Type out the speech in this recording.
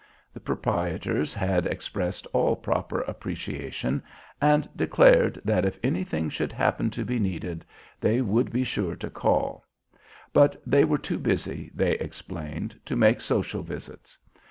The proprietors had expressed all proper appreciation, and declared that if anything should happen to be needed they would be sure to call; but they were too busy, they explained, to make social visits.